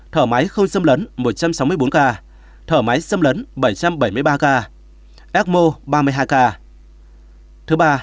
thở máy không xâm lấn một trăm sáu mươi bốn ca thở máy xâm lấn bảy trăm bảy mươi ba ca ecmo ba mươi hai ca